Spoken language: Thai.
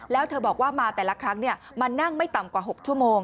แล้วเธอบอกว่ามาแต่ละครั้งมานั่งไม่ต่ำกว่า๖ชั่วโมง